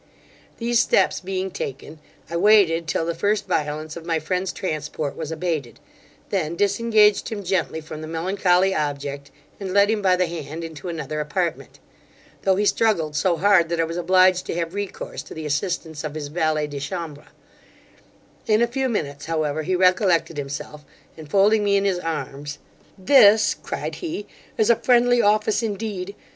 These steps being taken, I waited till the first violence of my friend's transport was abated, then disengaged him gently from the melancholy object, and led him by the hand into another apartment; though he struggled so hard, that I was obliged to have recourse to the assistance of his valet de chambre In a few minutes, however, he recollected himself, and folding me in his arms, 'This (cried he), is a friendly office, indeed!